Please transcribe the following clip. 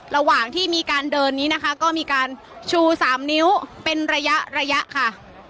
ระหว่างที่มีการเดินนี้นะคะก็มีการชู๓นิ้วเป็นระยะระยะค่ะ